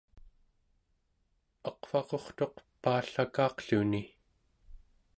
aqvaqurtuq paallaka'aqluni